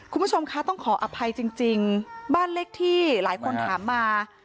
คุณผู้ชมคะต้องขออภัยจริงบ้านเลขที่หลายคนถามมา